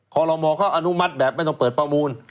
ขอรมอเขาอนุมัติแบบไม่ต้องเปิดประมูล